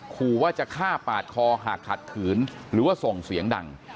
ขู่ว่าจะฆ่าปาดคอหากขัดขืนหรือว่าส่งเสียงดัง